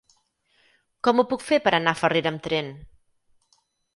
Com ho puc fer per anar a Farrera amb tren?